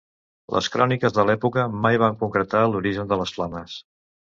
Les cròniques de l'època mai van concretar l'origen de les flames.